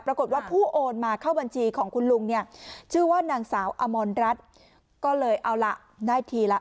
ปรากฏว่าผู้โอนมาเข้าบัญชีของคุณลุงเนี่ยชื่อว่านางสาวอมรรัฐก็เลยเอาล่ะได้ทีละ